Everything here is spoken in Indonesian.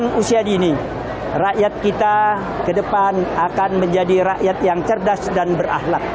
dan usia dini rakyat kita ke depan akan menjadi rakyat yang cerdas dan berahlak